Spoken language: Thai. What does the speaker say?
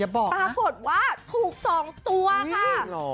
ปรากฏว่าถูก๒ตัวค่ะ